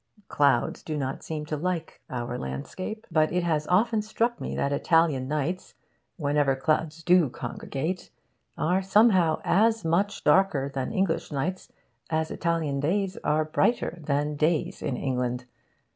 Clouds do not seem to like our landscape. But it has often struck me that Italian nights, whenever clouds do congregate, are somehow as much darker than English nights as Italian days are brighter than days in England.